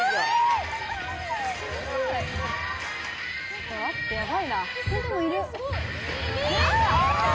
ちょっと待ってヤバいな。